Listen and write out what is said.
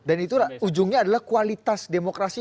dan itu ujungnya adalah kualitas demokrasi